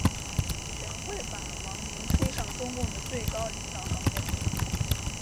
全会把王明推上中共的最高领导岗位。